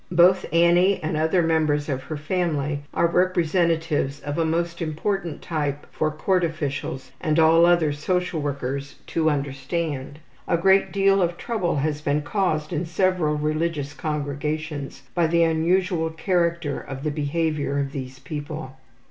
Both Annie and other members of her family are representatives of a most important type for court officials and all other social workers to understand. A great deal of trouble has been caused in several religious congregations by the unusual character of the behavior of these people.